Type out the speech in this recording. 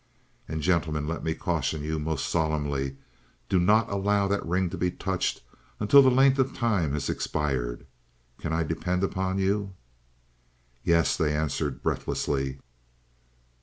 "And, gentlemen, let me caution you most solemnly, do not allow that ring to be touched until that length of time has expired. Can I depend on you?" "Yes," they answered breathlessly.